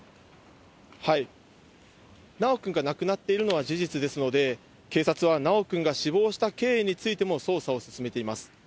修くんが亡くなっているのは事実ですので、警察は修くんが死亡した経緯についても捜査を進めています。